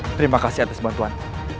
terima kasih atas bantuan